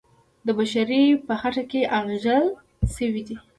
د بشر په خټه کې اغږل سوی دی.